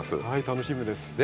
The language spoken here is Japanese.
はい楽しみです。